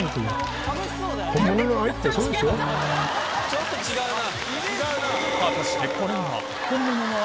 ・ちょっと違うな。